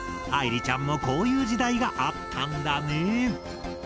愛莉ちゃんもこういう時代があったんだね。